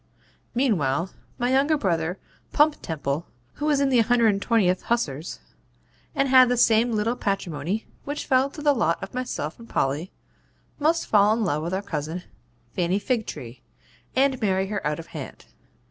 'Meanwhile, my younger brother, Pump Temple, who was in the 120th Hussars, and had the same little patrimony which fell to the lot of myself and Polly, must fall in love with our cousin, Fanny Figtree, and marry her out of hand.